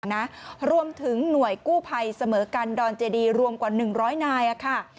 นะรวมถึงหน่วยกู้ภัยเสมอกันดอนเจดีรวมกว่าหนึ่งร้อยนายอะค่ะ